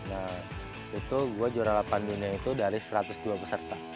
nah itu gue juara delapan dunia itu dari satu ratus dua peserta